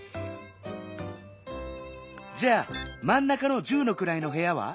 じゃあまん中の「十のくらい」のへやは？